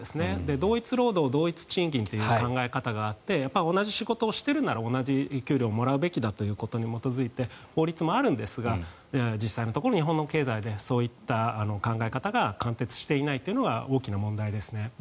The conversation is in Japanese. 同一労働同一賃金という考え方があって同じ仕事をしているなら同じ給料をもらうべきだということで法律もあるんですが実際のところ日本の経済でそういった考え方が貫徹していないというのは大きな問題ですね。